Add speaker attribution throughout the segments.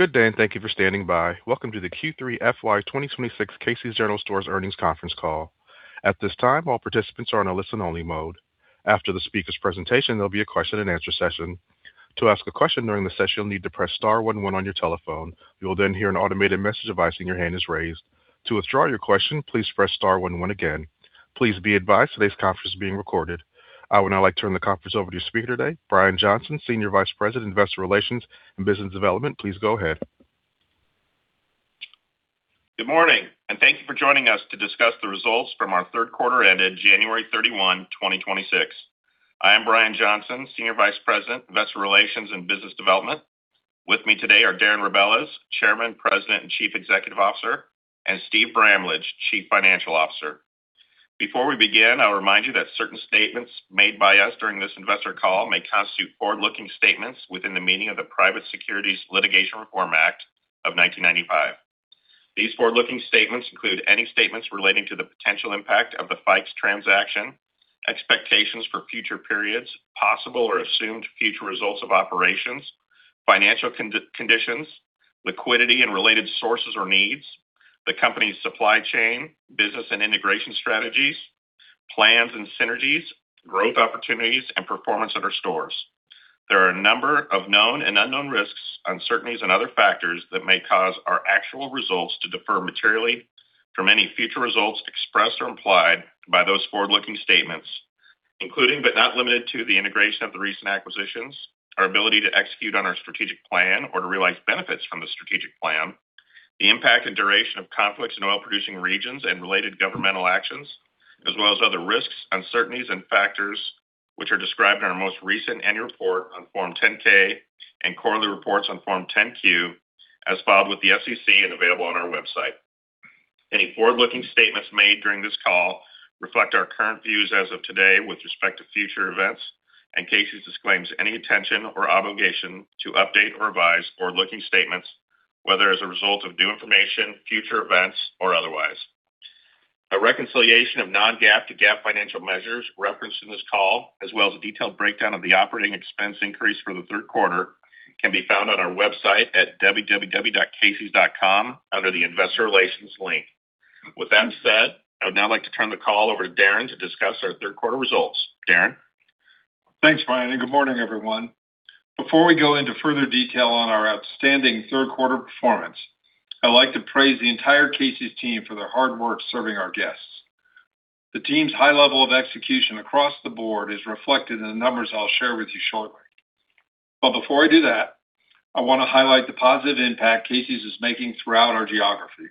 Speaker 1: Good day, and thank you for standing by. Welcome to the Q3 FY 2026 Casey's General Stores Earnings Conference Call. At this time, all participants are on a listen-only mode. After the speaker's presentation, there'll be a question-and-answer session. To ask a question during the session, you'll need to press star one one on your telephone. You'll then hear an automated message advising your hand is raised. To withdraw your question, please press star one one again. Please be advised today's conference is being recorded. I would now like to turn the conference over to your speaker today, Brian Johnson, Senior Vice President, Investor Relations and Business Development. Please go ahead.
Speaker 2: Good morning, and thank you for joining us to discuss the results from our Q3 ended January 31, 2026. I am Brian Johnson, Senior Vice President, Investor Relations and Business Development. With me today are Darren Rebelez, Chairman, President, and Chief Executive Officer, and Steve Bramlage, Chief Financial Officer. Before we begin, I'll remind you that certain statements made by us during this investor call may constitute forward-looking statements within the meaning of the Private Securities Litigation Reform Act of 1995. These forward-looking statements include any statements relating to the potential impact of the Fikes transaction, expectations for future periods, possible or assumed future results of operations, financial conditions, liquidity and related sources or needs, the company's supply chain, business and integration strategies, plans and synergies, growth opportunities, and performance at our stores. There are a number of known and unknown risks, uncertainties and other factors that may cause our actual results to differ materially from any future results expressed or implied by those forward-looking statements, including, but not limited to, the integration of the recent acquisitions, our ability to execute on our strategic plan or to realize benefits from the strategic plan, the impact and duration of conflicts in oil-producing regions and related governmental actions, as well as other risks, uncertainties, and factors which are described in our most recent annual report on Form 10-K and quarterly reports on Form 10-Q as filed with the SEC and available on our website. Any forward-looking statements made during this call reflect our current views as of today with respect to future events, and Casey's disclaims any intention or obligation to update or revise forward-looking statements, whether as a result of new information, future events or otherwise. A reconciliation of non-GAAP to GAAP financial measures referenced in this call, as well as a detailed breakdown of the operating expense increase for the Q3, can be found on our website at www.caseys.com under the Investor Relations link. With that said, I would now like to turn the call over to Darren to discuss our Q3 results. Darren?
Speaker 3: Thanks, Brian, and good morning, everyone. Before we go into further detail on our outstanding Q3 performance, I'd like to praise the entire Casey's team for their hard work serving our guests. The team's high level of execution across the board is reflected in the numbers I'll share with you shortly. Before I do that, I wanna highlight the positive impact Casey's is making throughout our geography.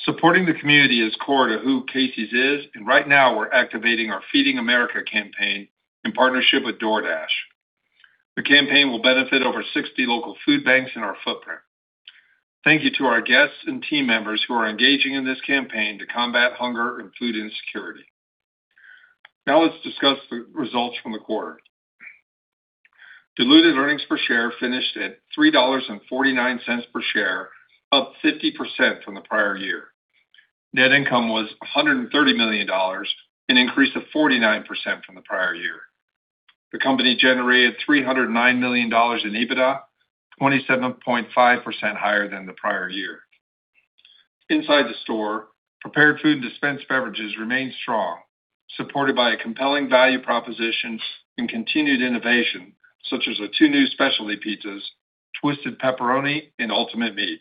Speaker 3: Supporting the community is core to who Casey's is, and right now we're activating our Feeding America campaign in partnership with DoorDash. The campaign will benefit over 60 local food banks in our footprint. Thank you to our guests and team members who are engaging in this campaign to combat hunger and food insecurity. Now let's discuss the results from the quarter. Diluted earnings per share finished at $3.49 per share, up 50% from the prior year. Net income was $130 million, an increase of 49% from the prior year. The company generated $309 million in EBITDA, 27.5% higher than the prior year. Inside the store, prepared food and dispensed beverages remained strong, supported by a compelling value proposition and continued innovation, such as our two new specialty pizzas, Twisted Pepperoni and Ultimate Meat.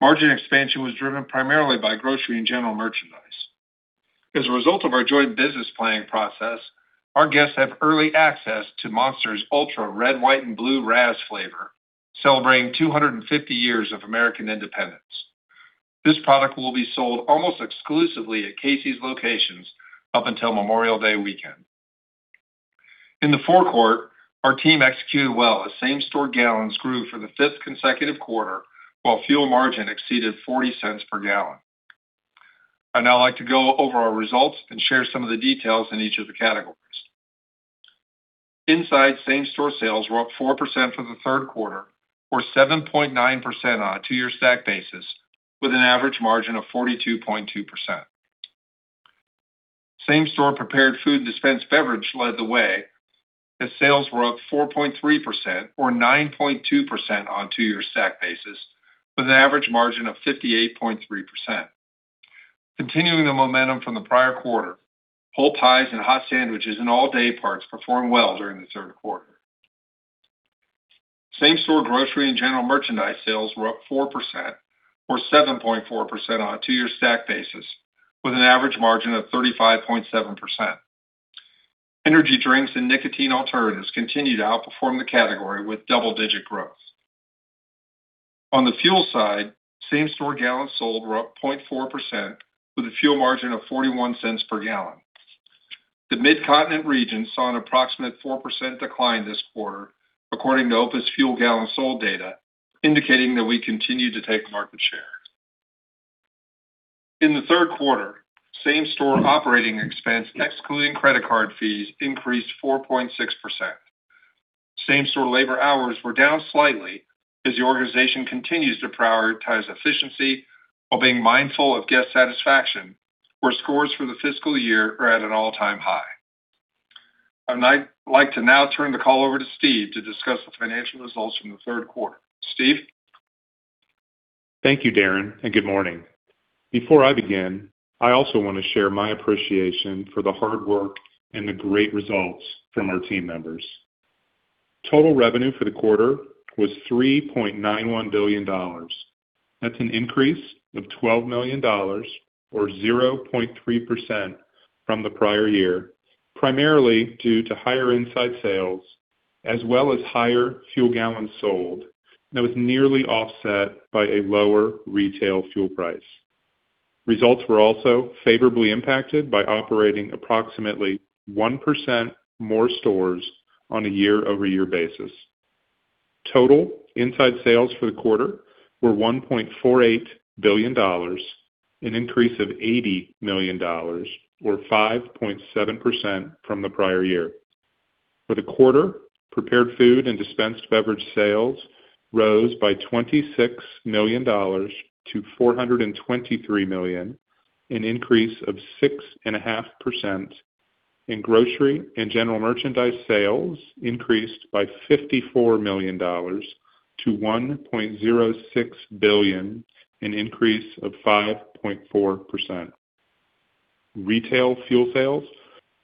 Speaker 3: Margin expansion was driven primarily by grocery and general merchandise. As a result of our joint business planning process, our guests have early access to Monster's Ultra Red White & Blue Razz flavor, celebrating 250 years of American independence. This product will be sold almost exclusively at Casey's locations up until Memorial Day weekend. In the forecourt, our team executed well as same-store gallons grew for the fifth consecutive quarter, while fuel margin exceeded $0.40 per gallon. I'd now like to go over our results and share some of the details in each of the categories. Inside same-store sales were up 4% for the Q3, or 7.9% on a two-year stack basis with an average margin of 42.2%. Same-store prepared food and dispensed beverage led the way as sales were up 4.3% or 9.2% on two-year stack basis with an average margin of 58.3%. Continuing the momentum from the prior quarter, whole pies and hot sandwiches and all-day breakfasts performed well during the Q3. Same-store grocery and general merchandise sales were up 4% or 7.4% on a two-year stack basis with an average margin of 35.7%. Energy drinks and nicotine alternatives continued to outperform the category with double-digit growth. On the fuel side, same-store gallons sold were up 0.4% with a fuel margin of $0.41 per gallon. The Midcontinent region saw an approximate 4% decline this quarter, according to OPIS fuel gallon sold data, indicating that we continue to take market share. In the Q3, same-store operating expense excluding credit card fees increased 4.6%. Same-store labor hours were down slightly as the organization continues to prioritize efficiency while being mindful of guest satisfaction, where scores for the fiscal year are at an all-time high. I'd like to now turn the call over to Steve to discuss the financial results from the Q3. Steve?
Speaker 4: Thank you, Darren, and good morning. Before I begin, I also wanna share my appreciation for the hard work and the great results from our team members. Total revenue for the quarter was $3.91 billion. That's an increase of $12 million or 0.3% from the prior year, primarily due to higher inside sales as well as higher fuel gallons sold that was nearly offset by a lower retail fuel price. Results were also favorably impacted by operating approximately 1% more stores on a year-over-year basis. Total inside sales for the quarter were $1.48 billion, an increase of $80 million or 5.7% from the prior year. For the quarter, prepared food and dispensed beverage sales rose by $26 million-$423 million, an increase of 6.5%. In grocery and general merchandise sales increased by $54 million-$1.06 billion, an increase of 5.4%. Retail fuel sales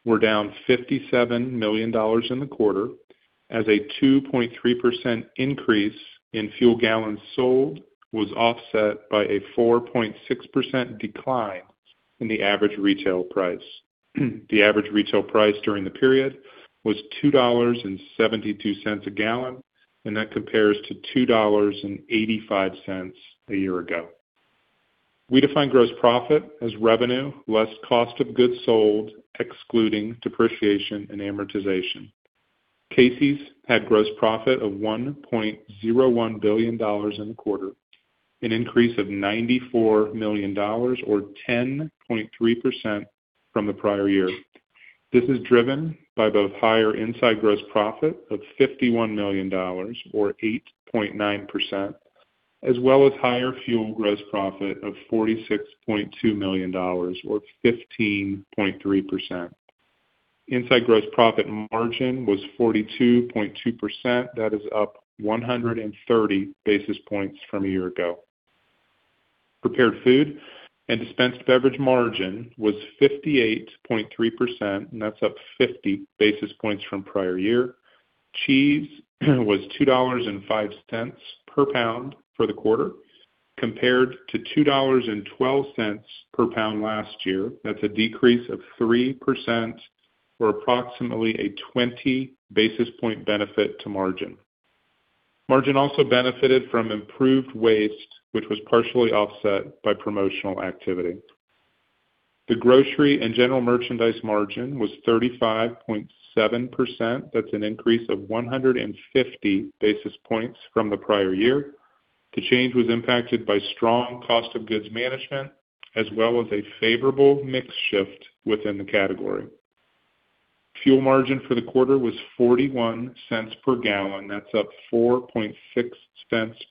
Speaker 4: were down $57 million in the quarter as a 2.3% increase in fuel gallons sold was offset by a 4.6% decline in the average retail price. The average retail price during the period was $2.72 a gallon, and that compares to $2.85 a year ago. We define gross profit as revenue less cost of goods sold, excluding depreciation and amortization. Casey's had gross profit of $1.01 billion in the quarter, an increase of $94 million or 10.3% from the prior year. This is driven by both higher inside gross profit of $51 million or 8.9%, as well as higher fuel gross profit of $46.2 million or 15.3%. Inside gross profit margin was 42.2%. That is up 130 basis points from a year ago. Prepared food and dispensed beverage margin was 58.3%, and that's up 50 basis points from prior year. Cheese was $2.05 per pound for the quarter compared to $2.12 per pound last year. That's a decrease of 3% or approximately a 20 basis point benefit to margin. Margin also benefited from improved waste, which was partially offset by promotional activity. The grocery and general merchandise margin was 35.7%. That's an increase of 150 basis points from the prior year. The change was impacted by strong cost of goods management as well as a favorable mix shift within the category. Fuel margin for the quarter was $0.41 per gallon. That's up $0.046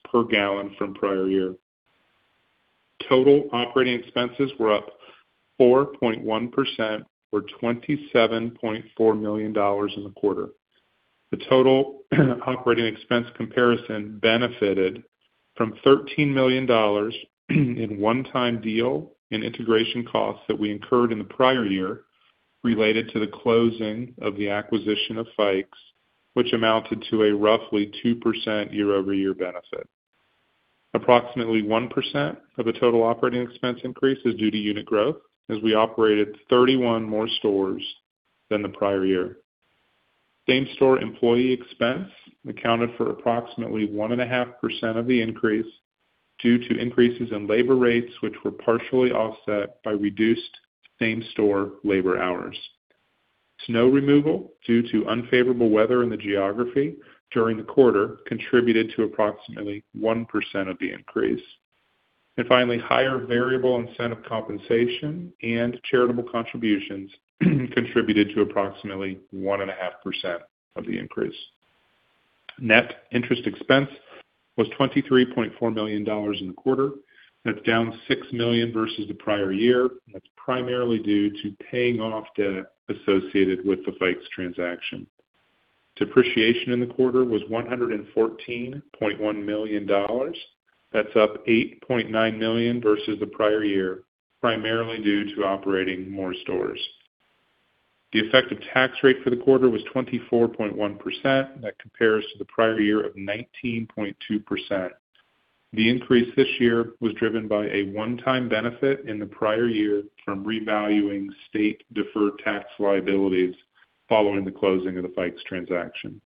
Speaker 4: per gallon from prior year. Total operating expenses were up 4.1% or $27.4 million in the quarter. The total operating expense comparison benefited from $13 million in one-time deal and integration costs that we incurred in the prior year related to the closing of the acquisition of Fikes, which amounted to a roughly 2% year-over-year benefit. Approximately 1% of the total operating expense increase is due to unit growth, as we operated 31 more stores than the prior year. Same-store employee expense accounted for approximately 1.5% of the increase due to increases in labor rates, which were partially offset by reduced same-store labor hours. Snow removal due to unfavorable weather in the geography during the quarter contributed to approximately 1% of the increase. Finally, higher variable incentive compensation and charitable contributions contributed to approximately 1.5% of the increase. Net interest expense was $23.4 million in the quarter. That's down $6 million versus the prior year. That's primarily due to paying off debt associated with the Fikes transaction. Depreciation in the quarter was $114.1 million. That's up $8.9 million versus the prior year, primarily due to operating more stores. The effective tax rate for the quarter was 24.1%. That compares to the prior year of 19.2%. The increase this year was driven by a one-time benefit in the prior year from revaluing state deferred tax liabilities following the closing of the Fikes transaction.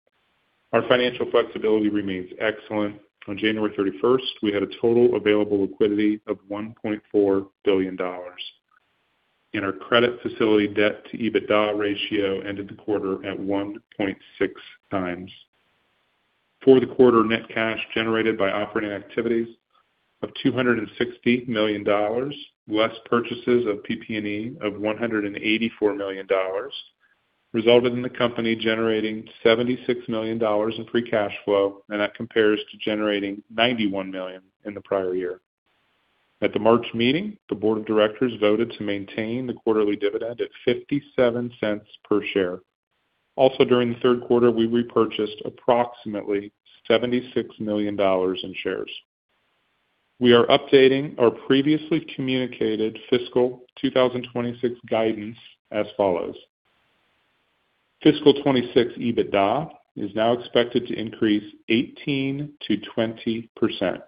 Speaker 4: Our financial flexibility remains excellent. On January 31, we had a total available liquidity of $1.4 billion, and our credit facility debt to EBITDA ratio ended the quarter at 1.6x. For the quarter, net cash generated by operating activities of $260 million, less purchases of PP&E of $184 million, resulted in the company generating $76 million in free cash flow, and that compares to generating $91 million in the prior year. At the March meeting, the board of directors voted to maintain the quarterly dividend at $0.57 per share. Also, during the Q3, we repurchased approximately $76 million in shares. We are updating our previously communicated FY 2026 guidance as follows: FY 2026 EBITDA is now expected to increase 18%-20%.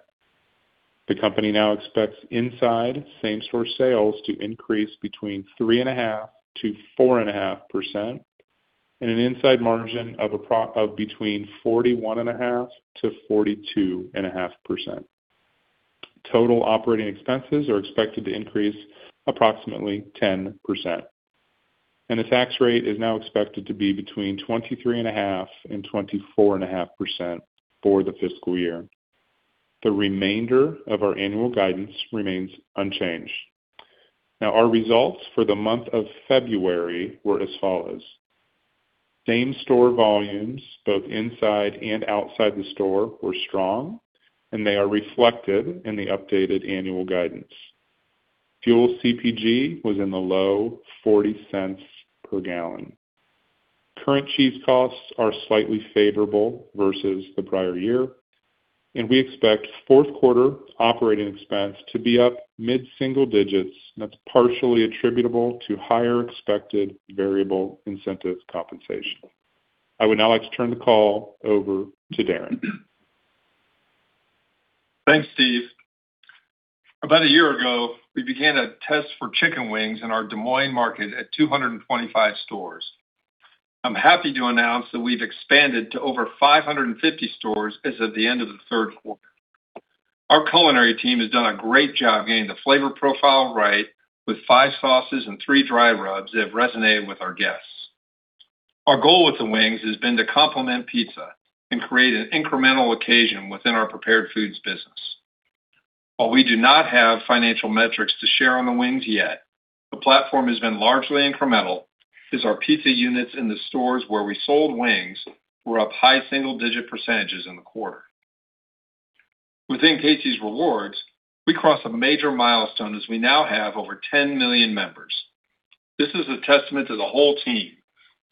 Speaker 4: The company now expects inside same-store sales to increase between 3.5%-4.5% and an inside margin of between 41.5%-42.5%. Total operating expenses are expected to increase approximately 10%, and the tax rate is now expected to be between 23.5%-24.5% for the fiscal year. The remainder of our annual guidance remains unchanged. Now, our results for the month of February were as follows: Same-store volumes, both inside and outside the store were strong, and they are reflected in the updated annual guidance. Fuel CPG was in the low $0.40 per gallon. Current cheese costs are slightly favorable versus the prior year. We expect Q4 operating expense to be up mid-single digits%. That's partially attributable to higher expected variable incentive compensation. I would now like to turn the call over to Darren.
Speaker 3: Thanks, Steve. About a year ago, we began a test for chicken wings in our Des Moines market at 225 stores. I'm happy to announce that we've expanded to over 550 stores as of the end of the Q3. Our culinary team has done a great job getting the flavor profile right with five sauces and three dry rubs that have resonated with our guests. Our goal with the wings has been to complement pizza and create an incremental occasion within our prepared foods business. While we do not have financial metrics to share on the wings yet, the platform has been largely incremental as our pizza units in the stores where we sold wings were up high single-digit percentage in the quarter. Within Casey's Rewards, we crossed a major milestone as we now have over 10 million members. This is a testament to the whole team,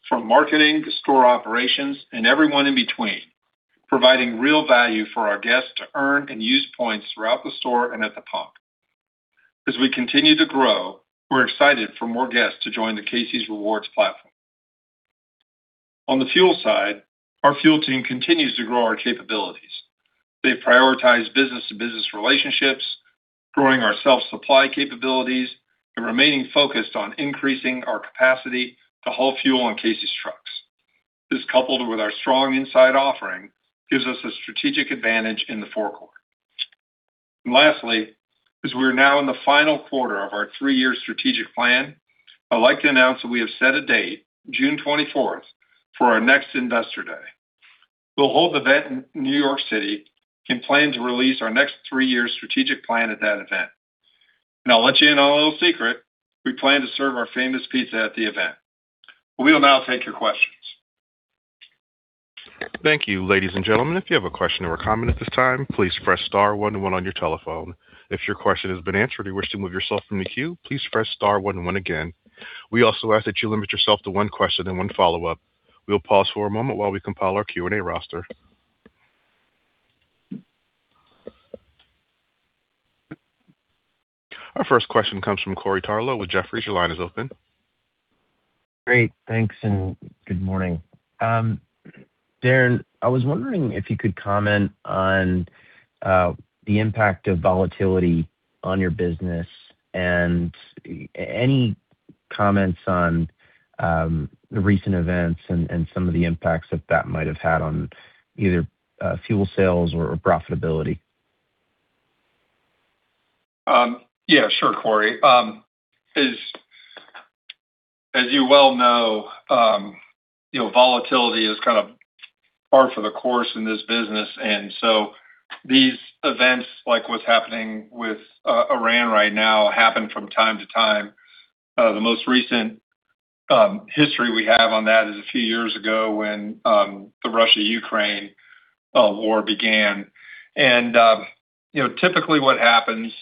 Speaker 3: from marketing to store operations and everyone in between, providing real value for our guests to earn and use points throughout the store and at the pump. As we continue to grow, we're excited for more guests to join the Casey's Rewards platform. On the fuel side, our fuel team continues to grow our capabilities. They prioritize business-to-business relationships, growing our self-supply capabilities, and remaining focused on increasing our capacity to haul fuel on Casey's trucks. This, coupled with our strong inside offering, gives us a strategic advantage in the forecourt. Lastly, as we are now in the final quarter of our three-year strategic plan, I'd like to announce that we have set a date, June 24, for our next Investor Day. We'll hold the event in New York City and plan to release our next three-year strategic plan at that event. I'll let you in on a little secret, we plan to serve our famous pizza at the event. We will now take your questions.
Speaker 1: Thank you. Ladies and gentlemen, if you have a question or a comment at this time, please press star one one on your telephone. If your question has been answered, or you wish to remove yourself from the queue, please press star one one again. We also ask that you limit yourself to one question and one follow-up. We'll pause for a moment while we compile our Q&A roster. Our first question comes from Corey Tarlowe with Jefferies. Your line is open.
Speaker 5: Great. Thanks, and good morning. Darren, I was wondering if you could comment on the impact of volatility on your business and any comments on the recent events and some of the impacts that might have had on either fuel sales or profitability?
Speaker 3: Yeah, sure, Corey. As you well know, you know, volatility is kind of par for the course in this business, and so these events, like what's happening with Iran right now, happen from time to time. The most recent history we have on that is a few years ago when the Russia-Ukraine war began. You know, typically what happens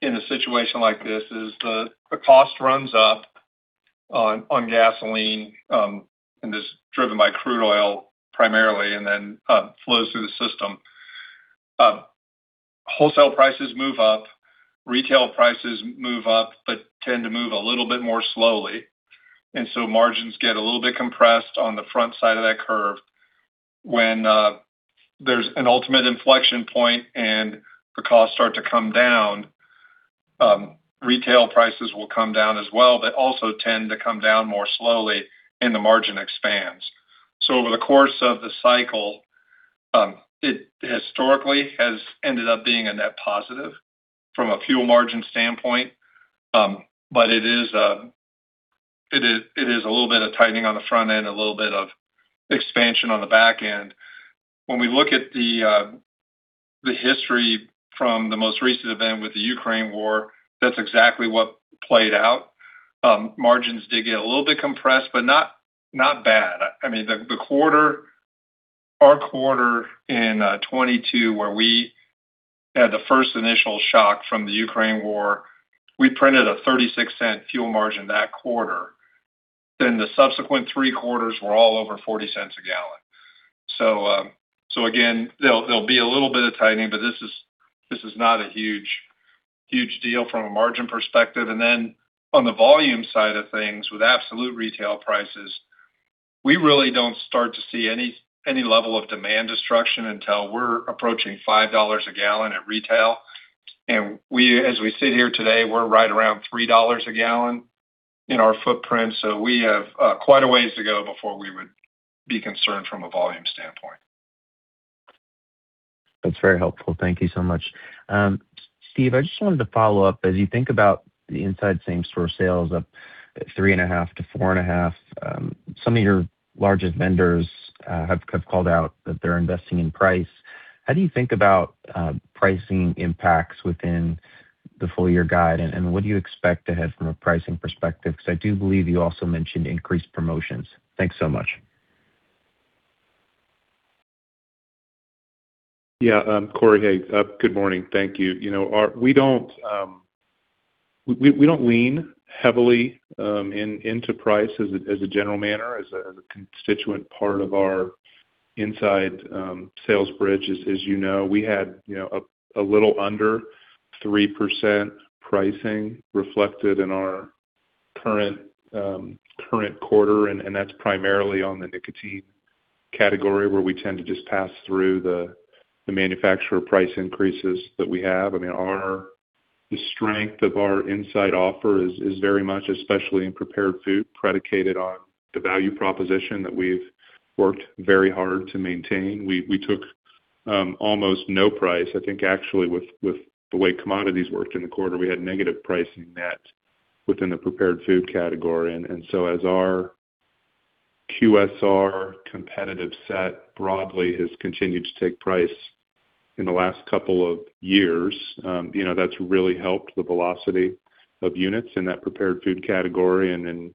Speaker 3: in a situation like this is the cost runs up on gasoline and is driven by crude oil primarily and then flows through the system. Wholesale prices move up, retail prices move up, but tend to move a little bit more slowly, and so margins get a little bit compressed on the front side of that curve. When there's an ultimate inflection point and the costs start to come down, retail prices will come down as well, but also tend to come down more slowly and the margin expands. Over the course of the cycle, it historically has ended up being a net positive from a fuel margin standpoint. But it is a little bit of tightening on the front end, a little bit of expansion on the back end. When we look at the history from the most recent event with the Ukraine war, that's exactly what played out. Margins did get a little bit compressed, but not bad. I mean, the quarter, our quarter in 2022, where we had the first initial shock from the Ukraine war, we printed a $0.36 fuel margin that quarter. The subsequent three quarters were all over $0.40 a gallon. Again, there'll be a little bit of tightening, but this is not a huge deal from a margin perspective. On the volume side of things, with absolute retail prices, we really don't start to see any level of demand destruction until we're approaching $5 a gallon at retail. We, as we sit here today, we're right around $3 a gallon in our footprint. We have quite a ways to go before we would be concerned from a volume standpoint.
Speaker 5: That's very helpful. Thank you so much. Steve, I just wanted to follow up. As you think about the inside same-store sales up 3.5%-4.5%, some of your largest vendors have called out that they're investing in price. How do you think about pricing impacts within the full-year guide? And what do you expect to have from a pricing perspective? Because I do believe you also mentioned increased promotions. Thanks so much.
Speaker 4: Yeah. Corey, hey, good morning. Thank you. You know, we don't lean heavily into price as a general matter, as a constituent part of our in-store sales bridge. As you know, we had a little under 3% pricing reflected in our current quarter, and that's primarily on the nicotine category, where we tend to just pass through the manufacturer price increases that we have. I mean, the strength of our in-store offer is very much, especially in prepared food, predicated on the value proposition that we've worked very hard to maintain. We took almost no price. I think actually with the way commodities worked in the quarter, we had negative pricing net within the prepared food category. As our QSR competitive set broadly has continued to take price in the last couple of years, you know, that's really helped the velocity of units in that prepared food category.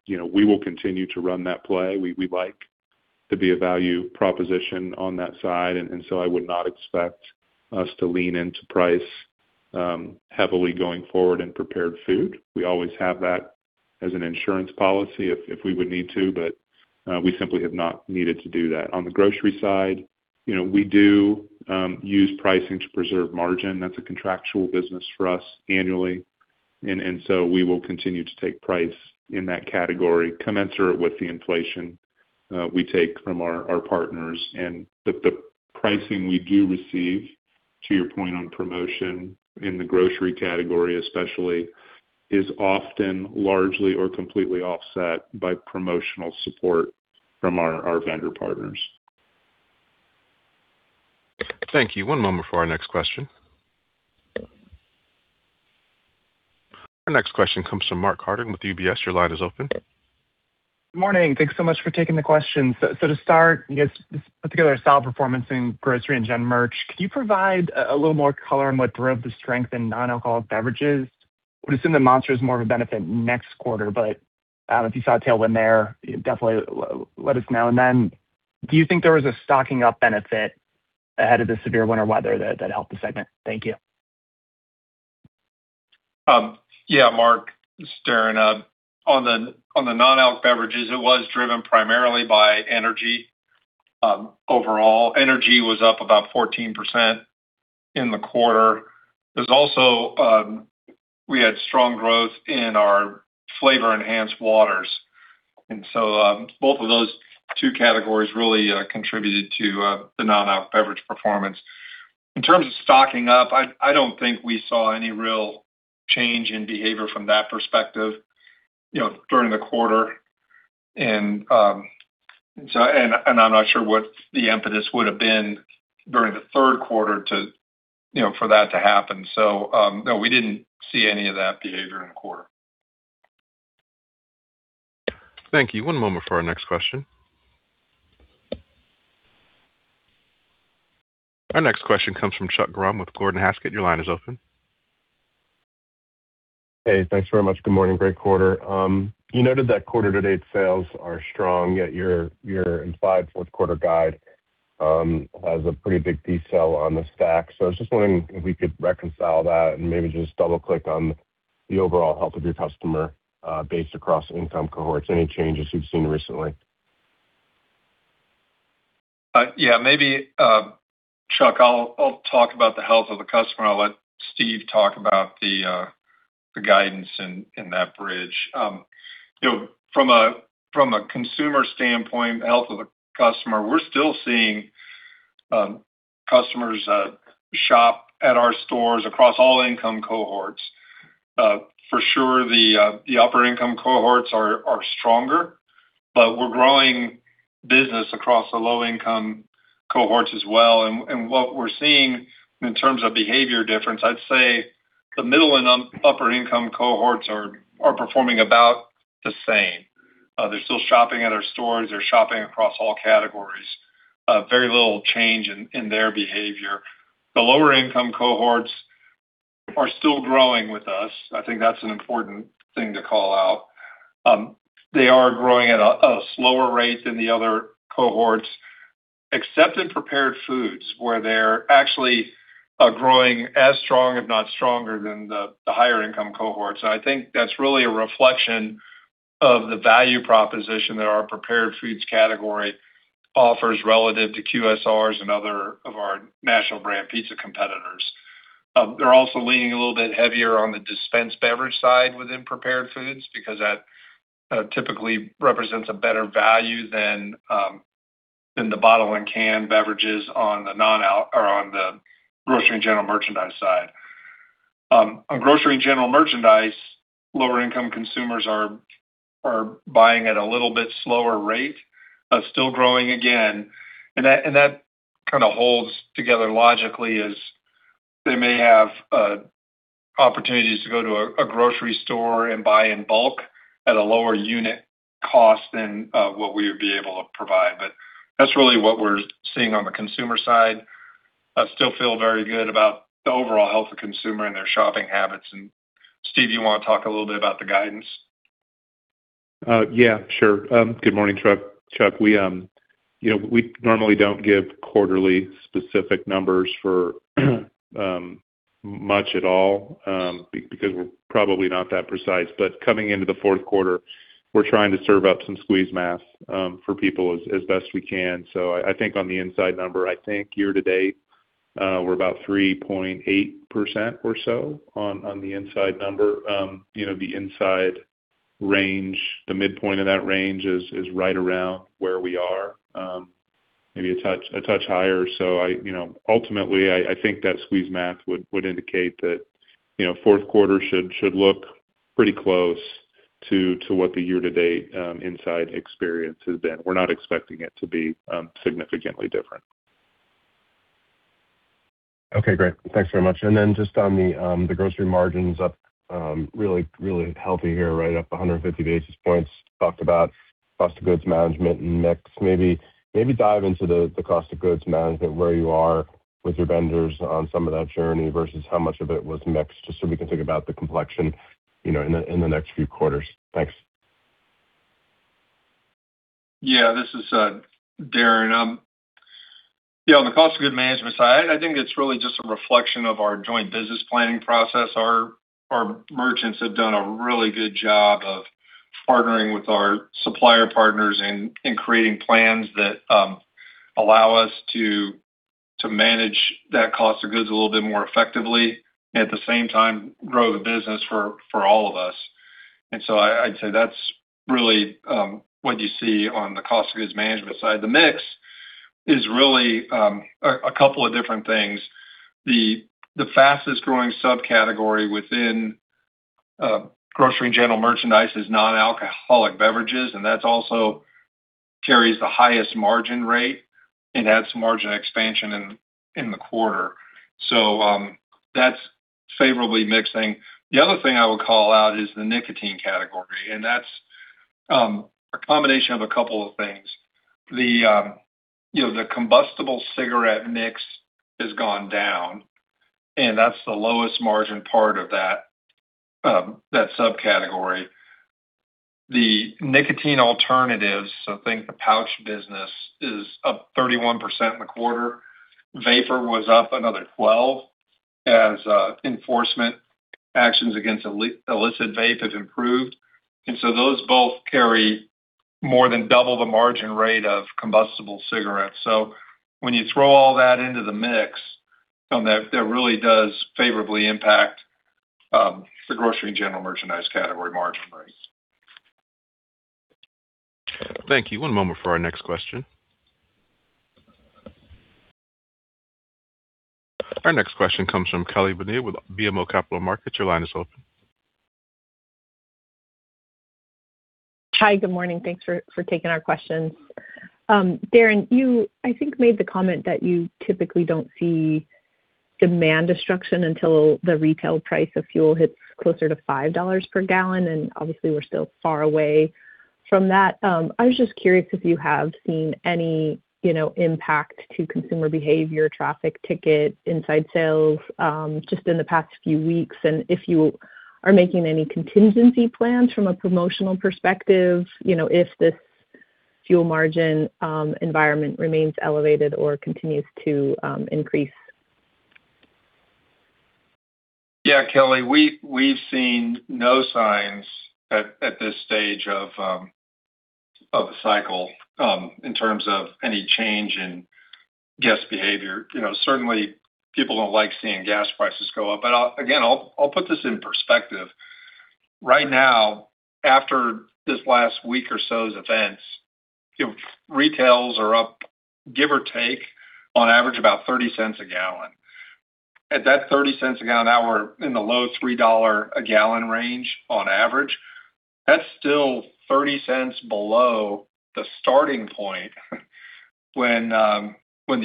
Speaker 4: You know, we will continue to run that play. We like to be a value proposition on that side. I would not expect us to lean into price heavily going forward in prepared food. We always have that as an insurance policy if we would need to, but we simply have not needed to do that. On the grocery side, you know, we do use pricing to preserve margin. That's a contractual business for us annually. We will continue to take price in that category, commensurate with the inflation we take from our partners. The pricing we do receive, to your point on promotion in the grocery category especially, is often largely or completely offset by promotional support from our vendor partners.
Speaker 1: Thank you. One moment for our next question. Our next question comes from Mark Carden with UBS. Your line is open.
Speaker 6: Morning. Thanks so much for taking the question. To start, I guess, this particular sales performance in grocery and gen merch, could you provide a little more color on what drove the strength in non-alcoholic beverages? I would assume that Monster is more of a benefit next quarter, but if you saw a tailwind there, definitely let us know. Then do you think there was a stocking up benefit ahead of the severe winter weather that helped the segment? Thank you.
Speaker 3: Yeah, Mark, it's Darren. On the non-alc beverages, it was driven primarily by energy. Overall energy was up about 14% in the quarter. There's also we had strong growth in our flavor enhanced waters. Both of those two categories really contributed to the non-alc beverage performance. In terms of stocking up, I don't think we saw any real change in behavior from that perspective, you know, during the quarter. I'm not sure what the impetus would have been during the Q3 to, you know, for that to happen. No, we didn't see any of that behavior in the quarter.
Speaker 1: Thank you. One moment for our next question. Our next question comes from Chuck Grom with Gordon Haskett. Your line is open.
Speaker 7: Hey, thanks very much. Good morning. Great quarter. You noted that quarter to date sales are strong, yet your implied Q4 guide has a pretty big decel on the stack. I was just wondering if we could reconcile that and maybe just double click on the overall health of your customer based across income cohorts, any changes you've seen recently.
Speaker 3: Yeah, maybe, Chuck, I'll talk about the health of the customer. I'll let Steve talk about the guidance in that bridge. You know, from a consumer standpoint, health of the customer, we're still seeing customers shop at our stores across all income cohorts. For sure the upper income cohorts are stronger, but we're growing business across the low income cohorts as well. What we're seeing in terms of behavior difference, I'd say the middle and upper income cohorts are performing about the same. They're still shopping at our stores. They're shopping across all categories. Very little change in their behavior. The lower income cohorts are still growing with us. I think that's an important thing to call out. They are growing at a slower rate than the other cohorts, except in prepared foods, where they're actually growing as strong, if not stronger than the higher income cohorts. I think that's really a reflection of the value proposition that our prepared foods category offers relative to QSRs and other of our national brand pizza competitors. They're also leaning a little bit heavier on the dispense beverage side within prepared foods because that typically represents a better value than the bottle and can beverages on the grocery and general merchandise side. On grocery and general merchandise, lower income consumers are buying at a little bit slower rate, still growing again. That kinda holds together logically as they may have opportunities to go to a grocery store and buy in bulk at a lower unit cost than what we would be able to provide. That's really what we're seeing on the consumer side. I still feel very good about the overall health of consumer and their shopping habits. Steve, you wanna talk a little bit about the guidance?
Speaker 4: Yeah, sure. Good morning, Chuck. We, you know, we normally don't give quarterly specific numbers for much at all because we're probably not that precise. Coming into the Q4, we're trying to serve up some squeeze math for people as best we can. I think on the inside number, I think year to date, we're about 3.8% or so on the inside number. You know, the inside range, the midpoint of that range is right around where we are, maybe a touch higher. Ultimately, I think that squeeze math would indicate that, you know, Q4 should look pretty close to what the year to date inside experience has been. We're not expecting it to be significantly different.
Speaker 7: Okay, great. Thanks very much. Then just on the grocery margins up really, really healthy here, right up 150 basis points. Talked about cost of goods management and mix. Maybe dive into the cost of goods management, where you are with your vendors on some of that journey versus how much of it was mixed, just so we can think about the complexion, you know, in the next few quarters. Thanks.
Speaker 3: Yeah. This is Darren. You know, on the cost of goods management side, I think it's really just a reflection of our joint business planning process. Our merchants have done a really good job of partnering with our supplier partners in creating plans that allow us to manage that cost of goods a little bit more effectively, at the same time, grow the business for all of us. I'd say that's really what you see on the cost of goods management side. The mix is really a couple of different things. The fastest growing subcategory within grocery and general merchandise is non-alcoholic beverages, and that also carries the highest margin rate and adds margin expansion in the quarter. That's favorably mixing. The other thing I would call out is the nicotine category, and that's a combination of a couple of things. You know, the combustible cigarette mix has gone down, and that's the lowest margin part of that subcategory. The nicotine alternatives, so think the pouch business, is up 31% in the quarter. Vapor was up another 12% as enforcement actions against illicit vape have improved. Those both carry more than double the margin rate of combustible cigarettes. When you throw all that into the mix, that really does favorably impact the grocery and general merchandise category margin rates.
Speaker 1: Thank you. One moment for our next question. Our next question comes from Kelly Bania with BMO Capital Markets. Your line is open.
Speaker 8: Hi. Good morning. Thanks for taking our questions. Darren, you, I think, made the comment that you typically don't see demand destruction until the retail price of fuel hits closer to $5 per gallon, and obviously we're still far away from that. I was just curious if you have seen any, you know, impact to consumer behavior, traffic, ticket, inside sales, just in the past few weeks, and if you are making any contingency plans from a promotional perspective, you know, if this fuel margin environment remains elevated or continues to increase.
Speaker 3: Yeah, Kelly, we've seen no signs at this stage of the cycle in terms of any change in guest behavior. You know, certainly people don't like seeing gas prices go up. I'll again put this in perspective. Right now, after this last week or so's events, you know, retail's up, give or take, on average about $0.30 a gallon. At that $0.30 a gallon, now we're in the low $3-a-gallon range on average. That's still $0.30 below the starting point when the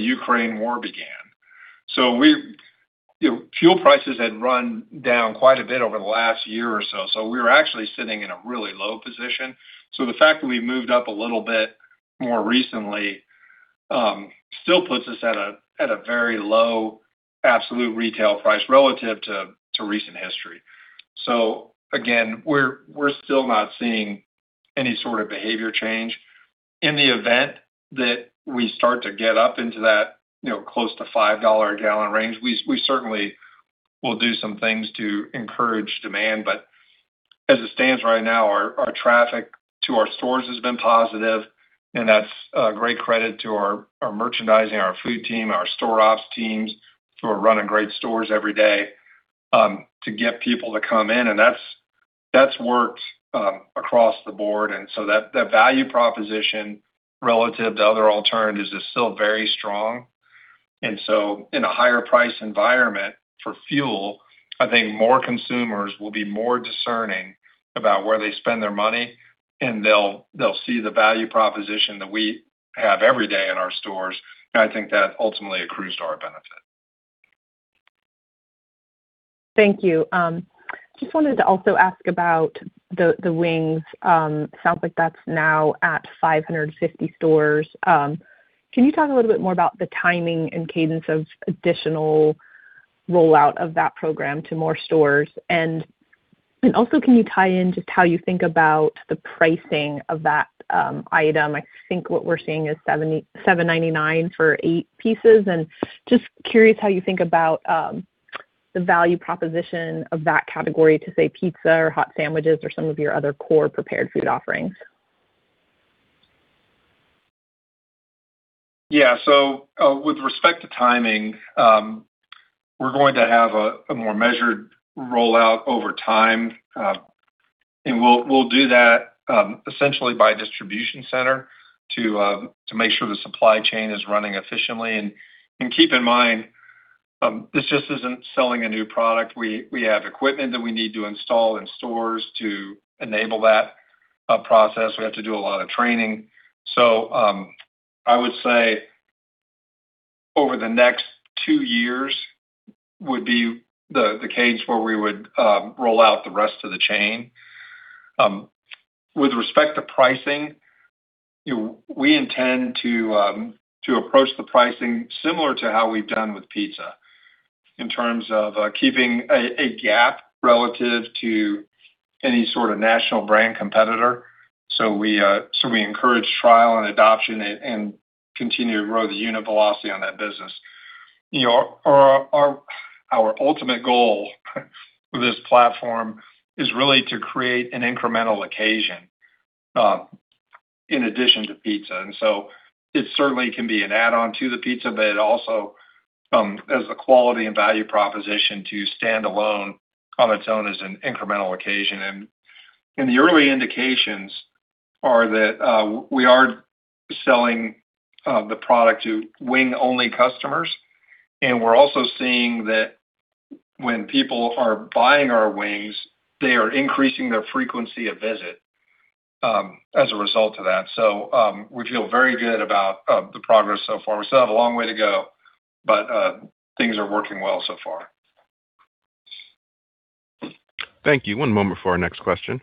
Speaker 3: Ukraine war began. You know, fuel prices had run down quite a bit over the last year or so we were actually sitting in a really low position. The fact that we moved up a little bit more recently still puts us at a very low absolute retail price relative to recent history. Again, we're still not seeing any sort of behavior change. In the event that we start to get up into that, you know, close to $5-a-gallon range, we certainly will do some things to encourage demand. But as it stands right now, our traffic to our stores has been positive, and that's a great credit to our merchandising, our food team, our store ops teams who are running great stores every day to get people to come in. That's worked across the board. That value proposition relative to other alternatives is still very strong. In a higher price environment for fuel, I think more consumers will be more discerning about where they spend their money, and they'll see the value proposition that we have every day in our stores. I think that ultimately accrues to our benefit.
Speaker 8: Thank you. Just wanted to also ask about the wings. Sounds like that's now at 550 stores. Can you talk a little bit more about the timing and cadence of additional rollout of that program to more stores? And also, can you tie in just how you think about the pricing of that item? I think what we're seeing is $7.99 for eight pieces. Just curious how you think about the value proposition of that category to, say, pizza or hot sandwiches or some of your other core prepared food offerings.
Speaker 3: Yeah. With respect to timing, we're going to have a more measured rollout over time. We'll do that essentially by distribution center to make sure the supply chain is running efficiently. Keep in mind, this just isn't selling a new product. We have equipment that we need to install in stores to enable that process. We have to do a lot of training. I would say over the next two years would be the case where we would roll out the rest of the chain. With respect to pricing, we intend to approach the pricing similar to how we've done with pizza in terms of keeping a gap relative to any sort of national brand competitor. We encourage trial and adoption and continue to grow the unit velocity on that business. You know, our ultimate goal with this platform is really to create an incremental occasion in addition to pizza. It certainly can be an add-on to the pizza, but it also has the quality and value proposition to stand alone on its own as an incremental occasion. The early indications are that we are selling the product to wing-only customers, and we're also seeing that when people are buying our wings, they are increasing their frequency of visit as a result of that. We feel very good about the progress so far. We still have a long way to go, but things are working well so far.
Speaker 1: Thank you. One moment for our next question.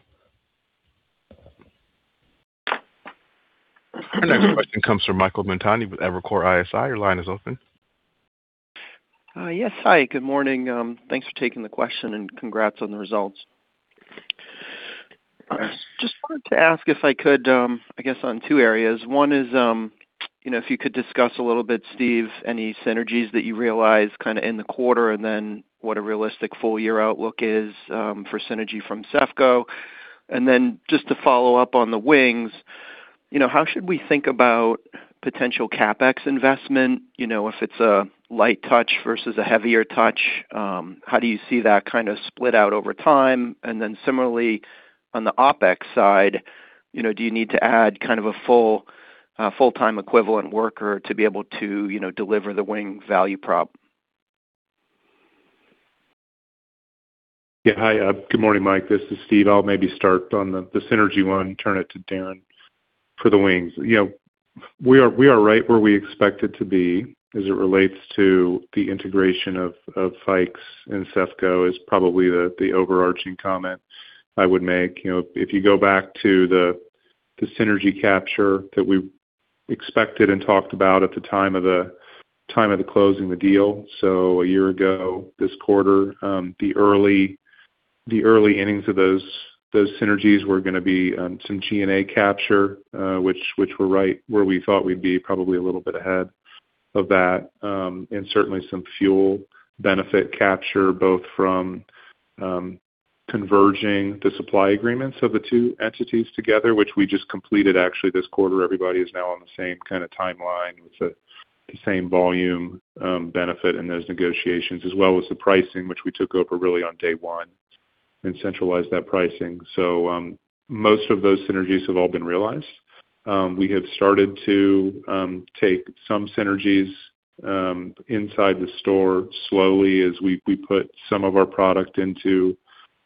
Speaker 1: Our next question comes from Michael Montani with Evercore ISI. Your line is open.
Speaker 9: Yes. Hi, good morning. Thanks for taking the question and congrats on the results. Just wanted to ask if I could, I guess on two areas. One is, you know, if you could discuss a little bit, Steve, any synergies that you realized kinda in the quarter, and then what a realistic full year outlook is, for synergy from CEFCO. Just to follow up on the wings, you know, how should we think about potential CapEx investment, you know, if it's a light touch versus a heavier touch? How do you see that kind of split out over time? Similarly, on the OpEx side, you know, do you need to add kind of a full-time equivalent worker to be able to, you know, deliver the wing value prop?
Speaker 4: Yeah. Hi, good morning, Mike. This is Steve. I'll maybe start on the synergy one, turn it to Darren for the wings. You know, we are right where we expected to be as it relates to the integration of Fikes and CEFCO is probably the overarching comment I would make. You know, if you go back to the synergy capture that we expected and talked about at the time of the closing the deal, so a year ago this quarter, the early innings of those synergies were gonna be some G&A capture, which were right where we thought we'd be probably a little bit ahead of that. Certainly some fuel benefit capture, both from converging the supply agreements of the two entities together, which we just completed actually this quarter. Everybody is now on the same kinda timeline with the same volume benefit in those negotiations, as well as the pricing which we took over really on day one and centralized that pricing. Most of those synergies have all been realized. We have started to take some synergies inside the store slowly as we put some of our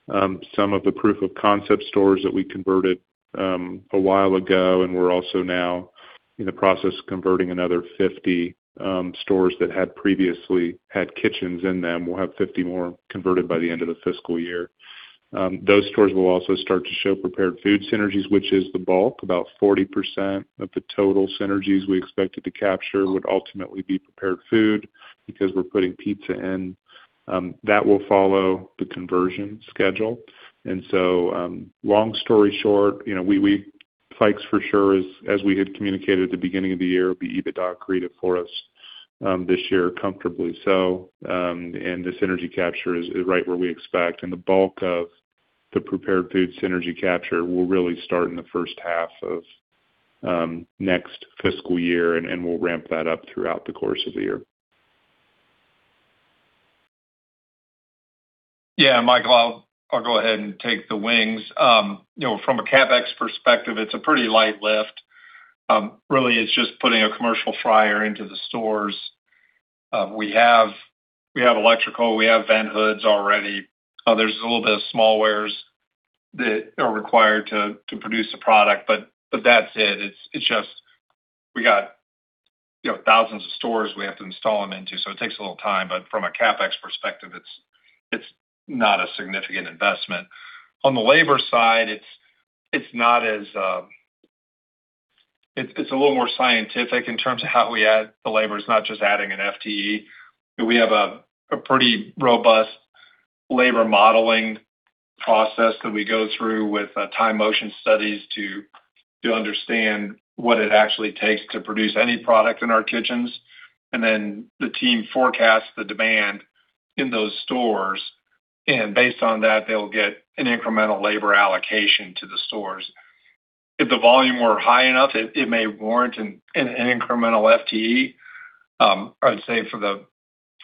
Speaker 4: product into Some of the proof of concept stores that we converted a while ago, and we're also now in the process of converting another 50 stores that had previously had kitchens in them. We'll have 50 more converted by the end of the fiscal year. Those stores will also start to show prepared food synergies, which is the bulk. About 40% of the total synergies we expected to capture would ultimately be prepared food because we're putting pizza in. That will follow the conversion schedule. Long story short, you know, Fikes for sure is, as we had communicated at the beginning of the year, will be EBITDA accretive for us, this year comfortably so. The synergy capture is right where we expect. The bulk of the prepared food synergy capture will really start in the H1 of next fiscal year, and we'll ramp that up throughout the course of the year.
Speaker 3: Yeah, Michael, I'll go ahead and take the wings. You know, from a CapEx perspective, it's a pretty light lift. Really, it's just putting a commercial fryer into the stores. We have electrical, we have vent hoods already. There's a little bit of smallwares that are required to produce the product, but that's it. It's just we got, you know, thousands of stores we have to install them into, so it takes a little time. From a CapEx perspective, it's not a significant investment. On the labor side, it's not as. It's a little more scientific in terms of how we add the labor. It's not just adding an FTE. We have a pretty robust labor modeling process that we go through with time motion studies to understand what it actually takes to produce any product in our kitchens. Then the team forecasts the demand in those stores, and based on that, they'll get an incremental labor allocation to the stores. If the volume were high enough, it may warrant an incremental FTE. I would say for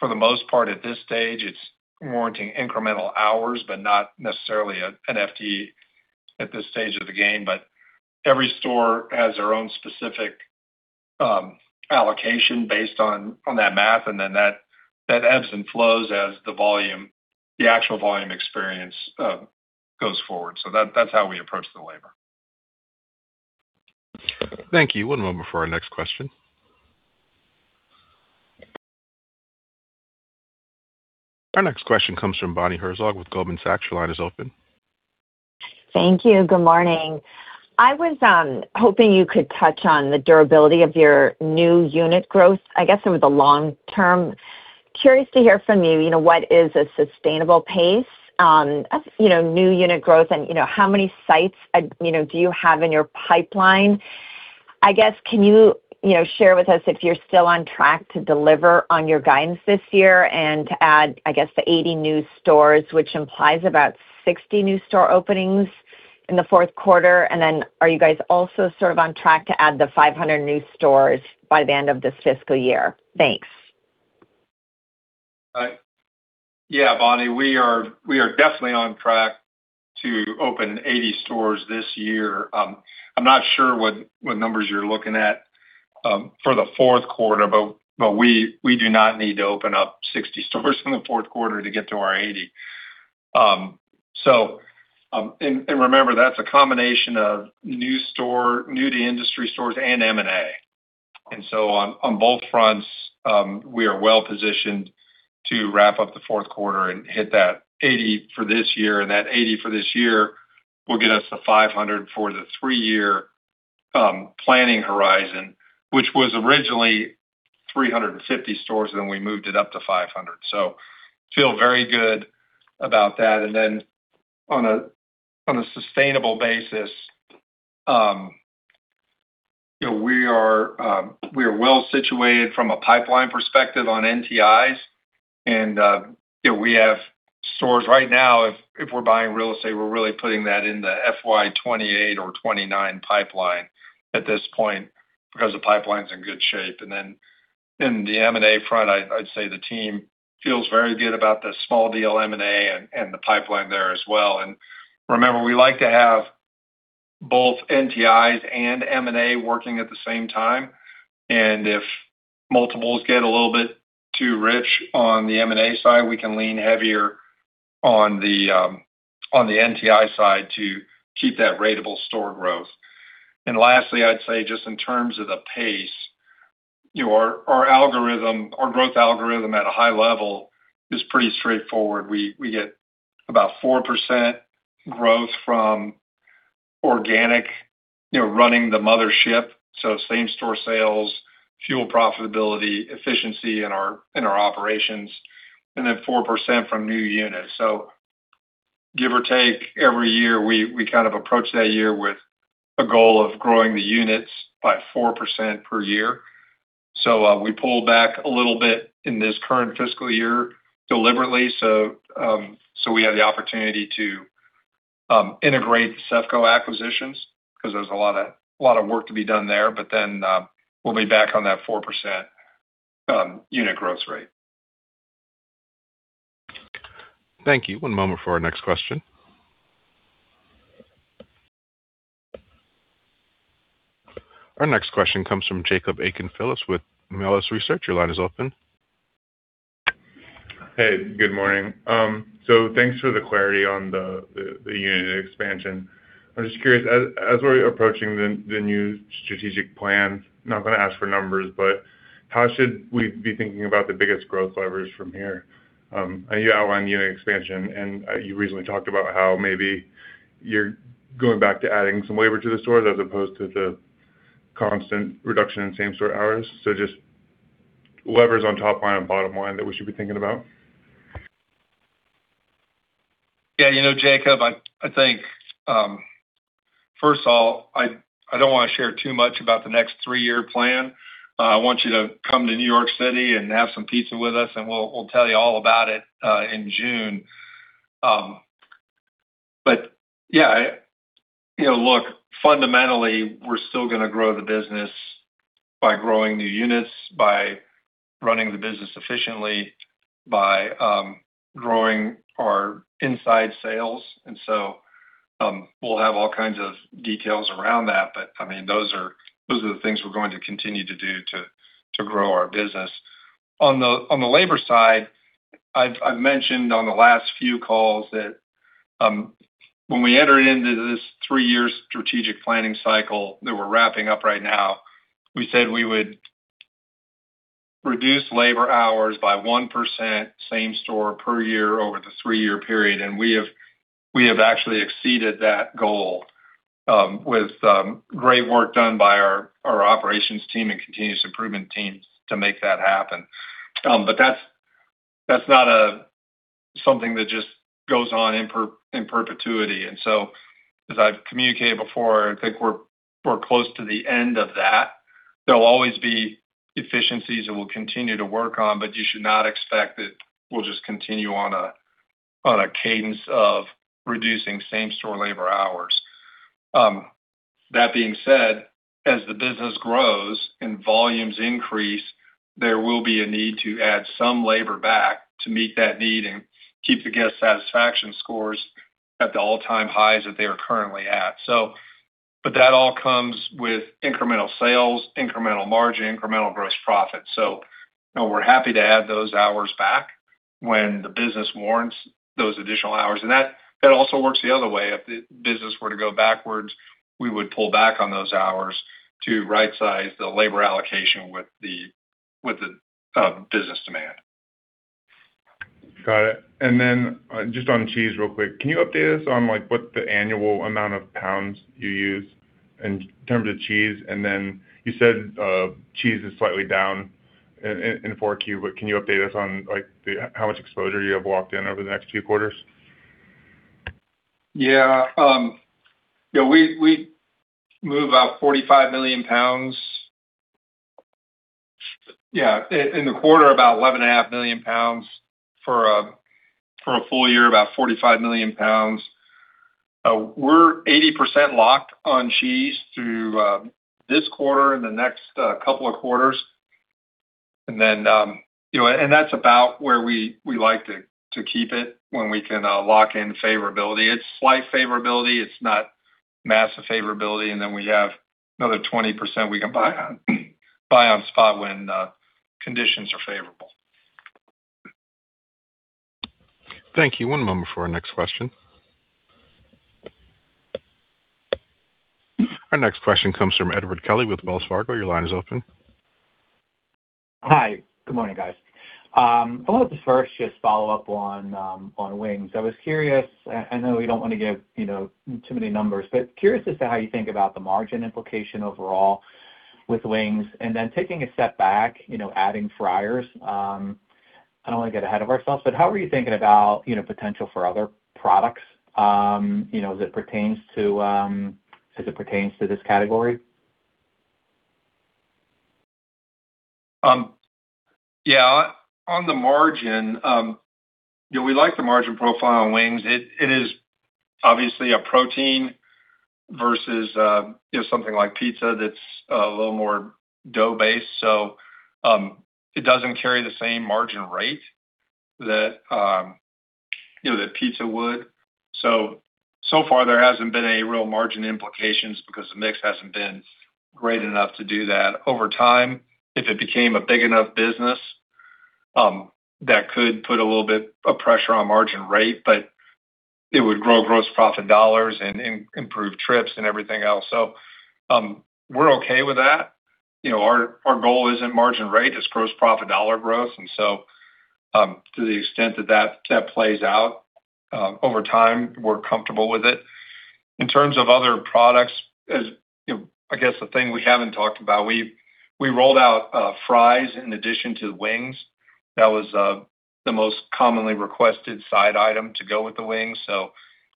Speaker 3: the most part, at this stage, it's warranting incremental hours, but not necessarily an FTE at this stage of the game. Every store has their own specific allocation based on that math, and then that ebbs and flows as the volume, the actual volume experience goes forward. That's how we approach the labor.
Speaker 1: Thank you. One moment for our next question. Our next question comes from Bonnie Herzog with Goldman Sachs. Your line is open.
Speaker 10: Thank you. Good morning. I was hoping you could touch on the durability of your new unit growth, I guess, over the long term. Curious to hear from you know, what is a sustainable pace of, you know, new unit growth and, you know, how many sites, you know, do you have in your pipeline? I guess, can you know, share with us if you're still on track to deliver on your guidance this year and to add, I guess, the 80 new stores, which implies about 60 new store openings in the Q4? Are you guys also sort of on track to add the 500 new stores by the end of this fiscal year? Thanks.
Speaker 3: Yeah. Bonnie, we are definitely on track to open 80 stores this year. I'm not sure what numbers you're looking at for the Q4, but we do not need to open up 60 stores in the Q4 to get to our 80 stores. Remember, that's a combination of new-store new-to-industry stores and M&A. On both fronts, we are well positioned to wrap up the Q4 and hit that 80 stores for this year. That 80 stores for this year will get us to 500 stores for the three-year planning horizon, which was originally 350 stores, and then we moved it up to 500 stores. Feel very good about that. On a sustainable basis, you know, we are well situated from a pipeline perspective on NTI. You know, we have stores right now. If we're buying real estate, we're really putting that in the FY 2028 or FY 2029 pipeline at this point because the pipeline's in good shape. In the M&A front, I'd say the team feels very good about the small deal M&A and the pipeline there as well. Remember, we like to have both NTI and M&A working at the same time. If multiples get a little bit too rich on the M&A side, we can lean heavier on the NTI side to keep that ratable store growth. Lastly, I'd say just in terms of the pace, you know, our algorithm, our growth algorithm at a high level is pretty straightforward. We get about 4% growth from organic, you know, running the mothership, so same store sales, fuel profitability, efficiency in our operations, and then 4% from new units. Give or take every year, we kind of approach that year with a goal of growing the units by 4% per year. We pulled back a little bit in this current fiscal year deliberately, so we had the opportunity to integrate the CEFCO acquisitions because there's a lot of work to be done there. We'll be back on that 4% unit growth rate.
Speaker 1: Thank you. One moment for our next question. Our next question comes from Jacob Aiken-Phillips with Melius Research. Your line is open.
Speaker 11: Hey, good morning. Thanks for the clarity on the unit expansion. I'm just curious, as we're approaching the new strategic plan, not gonna ask for numbers, but how should we be thinking about the biggest growth levers from here? You outlined unit expansion, and you recently talked about how maybe you're going back to adding some labor to the stores as opposed to the constant reduction in same-store hours. Just levers on top line and bottom line that we should be thinking about.
Speaker 3: Yeah, you know, Jacob, I think, first of all, I don't wanna share too much about the next three-year plan. I want you to come to New York City and have some pizza with us, and we'll tell you all about it in June. But yeah, you know, look, fundamentally, we're still gonna grow the business by growing new units, by running the business efficiently, by growing our inside sales. We'll have all kinds of details around that. But I mean, those are the things we're going to continue to do to grow our business. On the labor side, I've mentioned on the last few calls that when we entered into this three-year strategic planning cycle that we're wrapping up right now, we said we would reduce labor hours by 1% same store per year over the three-year period. We have actually exceeded that goal with great work done by our operations team and continuous improvement teams to make that happen. But that's not something that just goes on in perpetuity. As I've communicated before, I think we're close to the end of that. There'll always be efficiencies that we'll continue to work on, but you should not expect that we'll just continue on a cadence of reducing same-store labor hours. That being said, as the business grows and volumes increase, there will be a need to add some labor back to meet that need and keep the guest satisfaction scores at the all-time highs that they are currently at. That all comes with incremental sales, incremental margin, incremental gross profit. You know, we're happy to add those hours back when the business warrants those additional hours, and that also works the other way. If the business were to go backwards, we would pull back on those hours to right-size the labor allocation with the business demand.
Speaker 11: Got it. Just on cheese real quick. Can you update us on, like, what the annual amount of pounds you use in terms of cheese? You said cheese is slightly down in Q4, but can you update us on, like, how much exposure you have locked in over the next two quarters?
Speaker 3: We move about 45 million pounds. In the quarter, about 11.5 million pounds. For a full year, about 45 million pounds. We're 80% locked on cheese through this quarter and the next couple of quarters. Then, you know, that's about where we like to keep it when we can lock in favorability. It's slight favorability. It's not massive favorability. Then we have another 20% we can buy on spot when conditions are favorable.
Speaker 1: Thank you. One moment for our next question. Our next question comes from Edward Kelly with Wells Fargo. Your line is open.
Speaker 12: Hi. Good morning, guys. I wanted to first just follow up on wings. I was curious, I know you don't wanna give, you know, too many numbers, but curious as to how you think about the margin implication overall with wings. Taking a step back, you know, adding fryers, I don't wanna get ahead of ourselves, but how are you thinking about, you know, potential for other products, you know, as it pertains to this category?
Speaker 3: Yeah, on the margin, you know, we like the margin profile on wings. It is obviously a protein versus, you know, something like pizza that's a little more dough-based. So, it doesn't carry the same margin rate that, you know, that pizza would. So far there hasn't been any real margin implications because the mix hasn't been great enough to do that. Over time, if it became a big enough business, that could put a little bit of pressure on margin rate, but it would grow gross profit dollars and improve trips and everything else. So, we're okay with that. You know, our goal isn't margin rate, it's gross profit dollar growth. To the extent that that plays out, over time, we're comfortable with it. In terms of other products, you know, I guess the thing we haven't talked about, we rolled out fries in addition to wings. That was the most commonly requested side item to go with the wings. So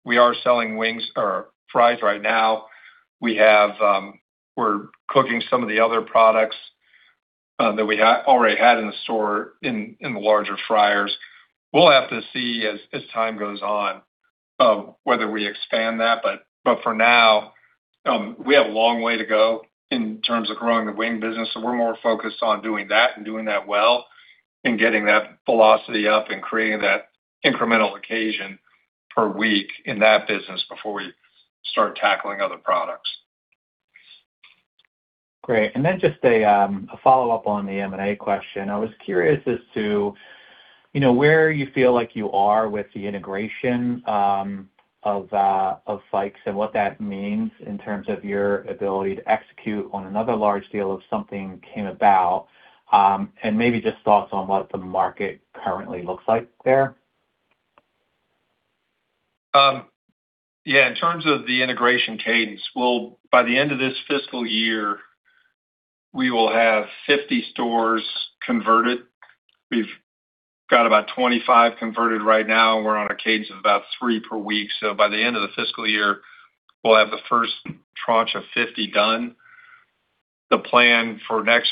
Speaker 3: we are selling wings or fries right now. We're cooking some of the other products that we already had in the store in the larger fryers. We'll have to see as time goes on whether we expand that. But for now, we have a long way to go in terms of growing the wing business, so we're more focused on doing that and doing that well and getting that velocity up and creating that incremental occasion per week in that business before we start tackling other products.
Speaker 12: Great. Then just a follow-up on the M&A question. I was curious as to, you know, where you feel like you are with the integration of Fikes and what that means in terms of your ability to execute on another large deal if something came about, and maybe just thoughts on what the market currently looks like there.
Speaker 3: Yeah, in terms of the integration cadence, by the end of this fiscal year, we will have 50 stores converted. We've got about 25 stores converted right now, and we're on a cadence of about three per week. By the end of the fiscal year, we'll have the first tranche of 50 stores done. The plan for next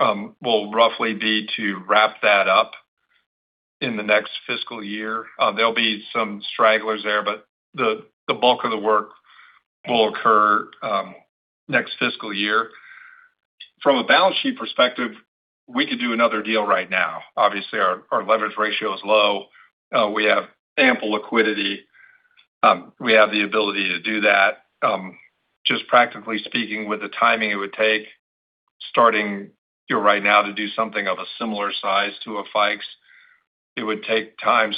Speaker 3: year will roughly be to wrap that up in the next fiscal year. There'll be some stragglers there, but the bulk of the work will occur next fiscal year. From a balance sheet perspective, we could do another deal right now. Obviously, our leverage ratio is low. We have ample liquidity. We have the ability to do that. Just practically speaking, with the timing it would take starting, you know, right now to do something of a similar size to a Fikes, it would take time.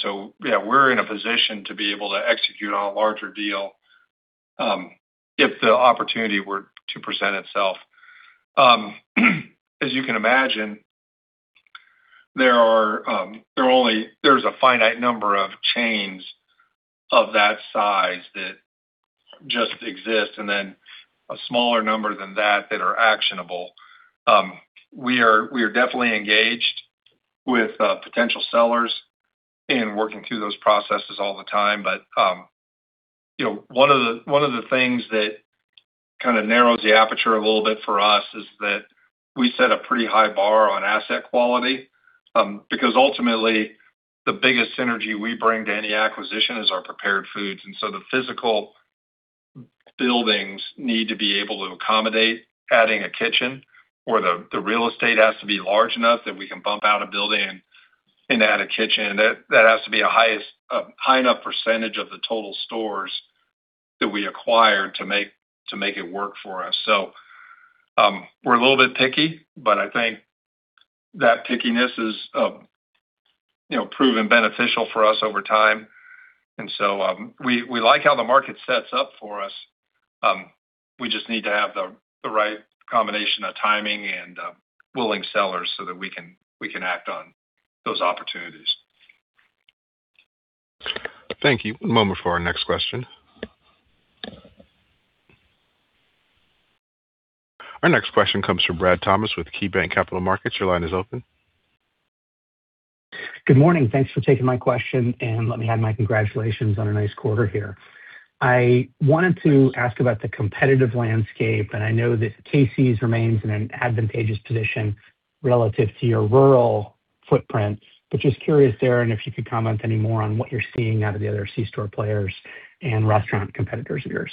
Speaker 3: Yeah, we're in a position to be able to execute on a larger deal, if the opportunity were to present itself. As you can imagine, there is a finite number of chains of that size that just exist and then a smaller number than that that are actionable. We are definitely engaged with potential sellers and working through those processes all the time. You know, one of the things that kind of narrows the aperture a little bit for us is that we set a pretty high bar on asset quality. Because ultimately, the biggest synergy we bring to any acquisition is our prepared foods. The physical buildings need to be able to accommodate adding a kitchen or the real estate has to be large enough that we can bump out a building and add a kitchen. That has to be a high enough percentage of the total stores that we acquire to make it work for us. We're a little bit picky, but I think that pickiness is, you know, proven beneficial for us over time. We like how the market sets up for us. We just need to have the right combination of timing and willing sellers so that we can act on those opportunities.
Speaker 1: Thank you. One moment for our next question. Our next question comes from Brad Thomas with KeyBanc Capital Markets. Your line is open.
Speaker 13: Good morning. Thanks for taking my question, and let me add my congratulations on a nice quarter here. I wanted to ask about the competitive landscape, and I know that Casey's remains in an advantageous position relative to your rural footprint. Just curious there, and if you could comment any more on what you're seeing out of the other C-store players and restaurant competitors of yours.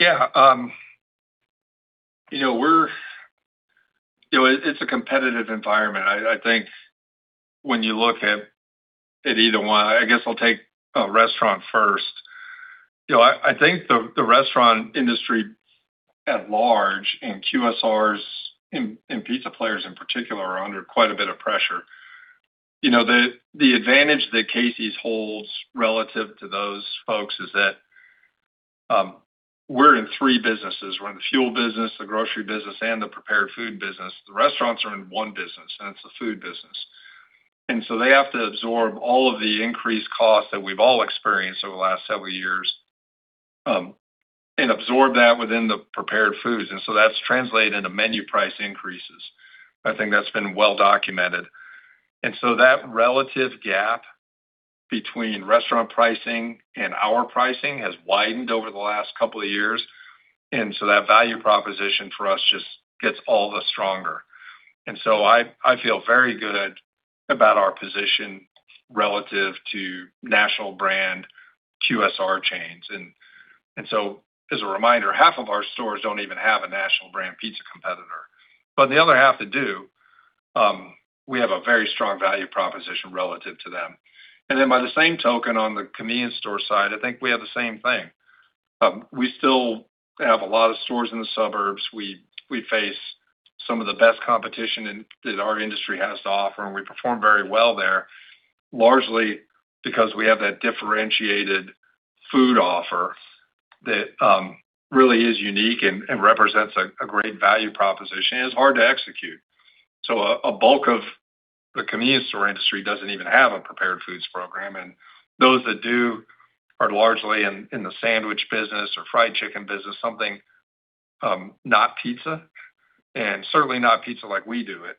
Speaker 3: Yeah, you know, it's a competitive environment. I think when you look at either one. I guess I'll take restaurant first. You know, I think the restaurant industry at large and QSRs and pizza players in particular are under quite a bit of pressure. You know, the advantage that Casey's holds relative to those folks is that we're in three businesses. We're in the fuel business, the grocery business, and the prepared food business. The restaurants are in one business, and it's the food business. They have to absorb all of the increased costs that we've all experienced over the last several years, and absorb that within the prepared foods. That's translated into menu price increases. I think that's been well documented. That relative gap between restaurant pricing and our pricing has widened over the last couple of years. That value proposition for us just gets all the stronger. I feel very good about our position relative to national brand QSR chains. As a reminder, 1/2 of our stores don't even have a national brand pizza competitor. The other 1/2 that do, we have a very strong value proposition relative to them. By the same token, on the convenience store side, I think we have the same thing. We still have a lot of stores in the suburbs. We face some of the best competition in that our industry has to offer, and we perform very well there, largely because we have that differentiated food offer that really is unique and represents a great value proposition, and it's hard to execute. A bulk of the convenience store industry doesn't even have a prepared foods program, and those that do are largely in the sandwich business or fried chicken business, something not pizza, and certainly not pizza like we do it.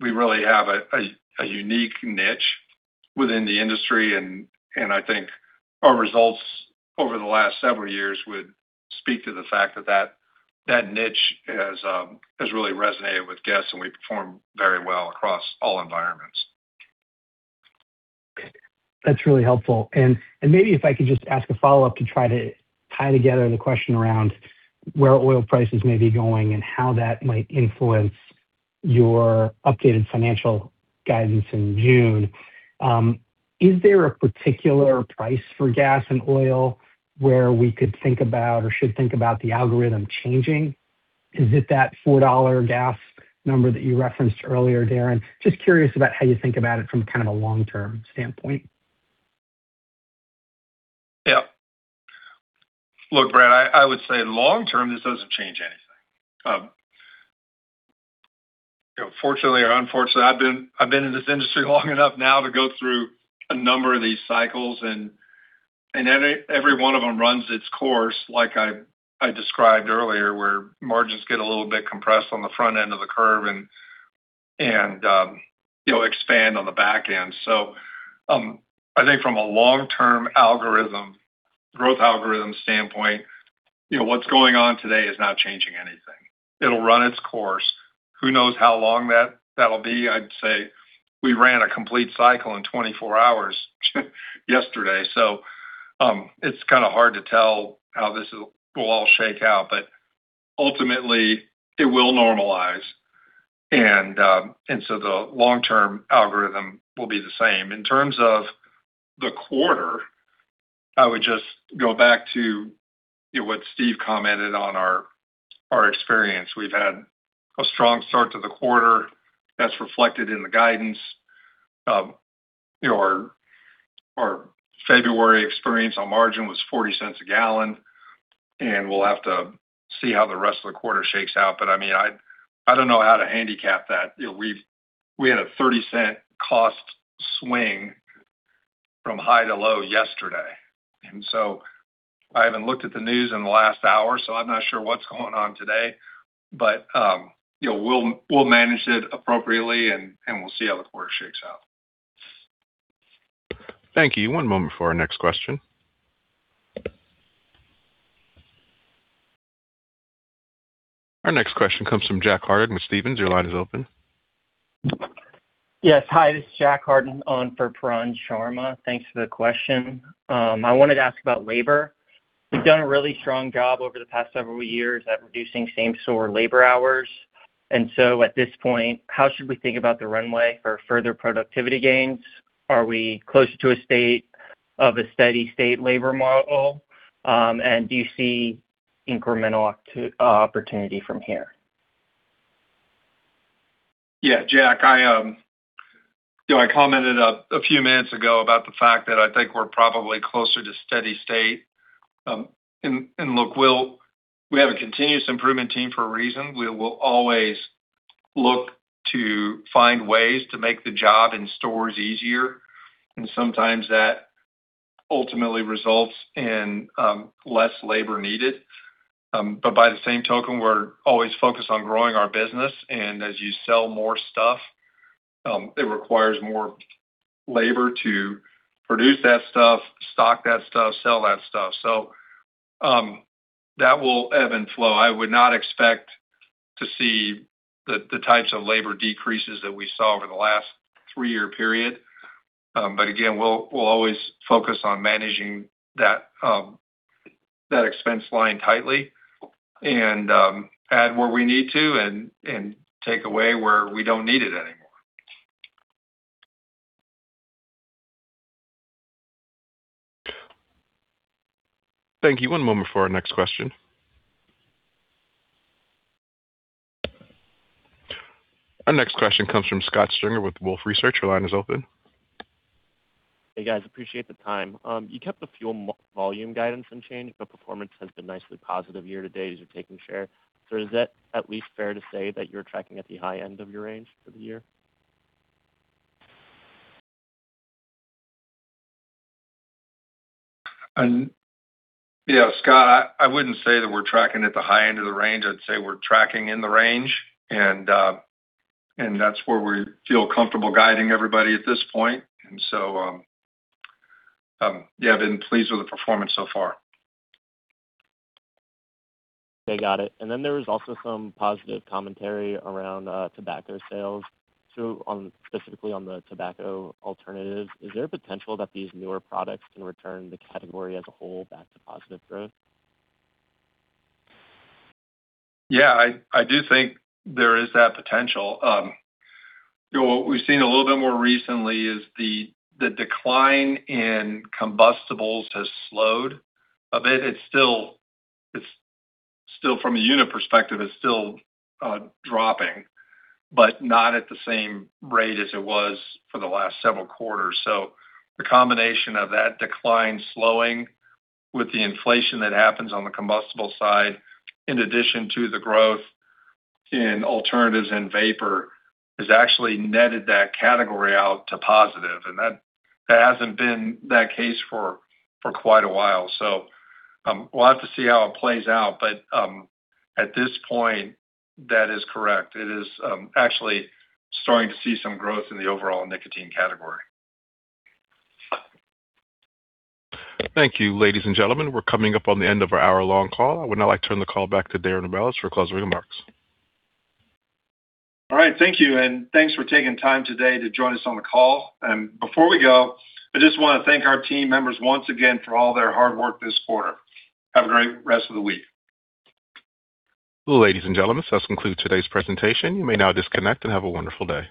Speaker 3: We really have a unique niche within the industry and I think our results over the last several years would speak to the fact that that niche has really resonated with guests, and we perform very well across all environments.
Speaker 13: That's really helpful. Maybe if I could just ask a follow-up to try to tie together the question around where oil prices may be going and how that might influence your updated financial guidance in June. Is there a particular price for gas and oil where we could think about or should think about the algorithm changing? Is it that $4 gas number that you referenced earlier, Darren? Just curious about how you think about it from kind of a long-term standpoint.
Speaker 3: Yeah. Look, Brad, I would say long term, this doesn't change anything. You know, fortunately or unfortunately, I've been in this industry long enough now to go through a number of these cycles, and every one of them runs its course, like I described earlier, where margins get a little bit compressed on the front end of the curve and you know, expand on the back end. I think from a long-term algorithm, growth algorithm standpoint, you know, what's going on today is not changing anything. It'll run its course. Who knows how long that'll be? I'd say we ran a complete cycle in 24 hours yesterday, so it's kinda hard to tell how this will all shake out, but ultimately it will normalize. The long-term algorithm will be the same. In terms of the quarter, I would just go back to, you know, what Steve commented on our experience. We've had a strong start to the quarter. That's reflected in the guidance. You know, our February experience on margin was $0.40 a gallon, and we'll have to see how the rest of the quarter shakes out. I mean, I don't know how to handicap that. You know, we had a $0.30 cost swing from high to low yesterday. I haven't looked at the news in the last hour, so I'm not sure what's going on today. You know, we'll manage it appropriately and we'll see how the quarter shakes out.
Speaker 1: Thank you. One moment for our next question. Our next question comes from Jack Hardin with Stephens. Your line is open.
Speaker 14: Yes. Hi, this is Jack Hardin on for Pooran Sharma. Thanks for the question. I wanted to ask about labor. You've done a really strong job over the past several years at reducing same store labor hours. At this point, how should we think about the runway for further productivity gains? Are we closer to a state of a steady state labor model? And do you see incremental opportunity from here?
Speaker 3: Yeah, Jack, you know, I commented a few minutes ago about the fact that I think we're probably closer to steady state. Look, we have a continuous improvement team for a reason. We will always look to find ways to make the job in stores easier, and sometimes that ultimately results in less labor needed. By the same token, we're always focused on growing our business. As you sell more stuff, it requires more labor to produce that stuff, stock that stuff, sell that stuff. That will ebb and flow. I would not expect to see the types of labor decreases that we saw over the last three-year period. Again, we'll always focus on managing that expense line tightly and add where we need to and take away where we don't need it anymore.
Speaker 1: Thank you. One moment for our next question. Our next question comes from Scott Stringer with Wolfe Research. Your line is open.
Speaker 15: Hey, guys. Appreciate the time. You kept the fuel volume guidance unchanged, but performance has been nicely positive year to date as you're taking share. Is that at least fair to say that you're tracking at the high end of your range for the year?
Speaker 3: Yeah, Scott, I wouldn't say that we're tracking at the high end of the range. I'd say we're tracking in the range, and that's where we feel comfortable guiding everybody at this point. Yeah, I've been pleased with the performance so far.
Speaker 15: Okay, got it. Then there was also some positive commentary around tobacco sales. Specifically on the tobacco alternatives, is there a potential that these newer products can return the category as a whole back to positive growth?
Speaker 3: Yeah, I do think there is that potential. You know, what we've seen a little bit more recently is the decline in combustibles has slowed a bit. It's still from a unit perspective, it's still dropping, but not at the same rate as it was for the last several quarters. The combination of that decline slowing with the inflation that happens on the combustible side, in addition to the growth in alternatives and vapor, has actually netted that category out to positive. That hasn't been that case for quite a while. We'll have to see how it plays out. At this point, that is correct. It is actually starting to see some growth in the overall nicotine category.
Speaker 1: Thank you. Ladies and gentlemen, we're coming up on the end of our hour-long call. I would now like to turn the call back to Darren Rebelez for closing remarks.
Speaker 3: All right. Thank you, and thanks for taking time today to join us on the call. Before we go, I just wanna thank our team members once again for all their hard work this quarter. Have a great rest of the week.
Speaker 1: Ladies and gentlemen, this does conclude today's presentation. You may now disconnect and have a wonderful day.